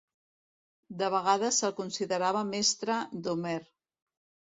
De vegades se'l considerava mestre d'Homer.